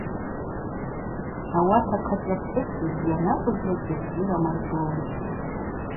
Ауат ахъацӏи апхӏвыси йанакӏвызлакӏгьи абзира амаркӏлун.